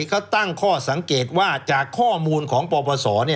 เขาตั้งข้อสังเกตว่าจากข้อมูลของปปศ